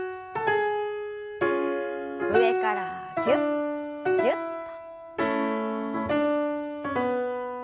上からぎゅっぎゅっと。